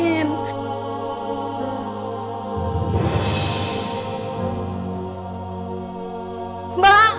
kenapa perasaanku gak enak ya